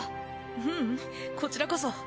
ううんこちらこそ。